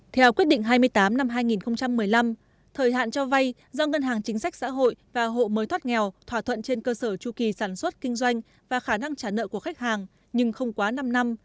theo quyết định hai mươi tám năm hai nghìn một mươi năm thời hạn cho vay do ngân hàng chính sách xã hội và hộ mới thoát nghèo thỏa thuận trên cơ sở tru kỳ sản xuất kinh doanh và khả năng trả nợ của khách hàng nhưng không quá năm năm